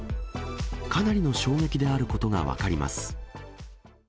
かなりの衝撃であることが分かります。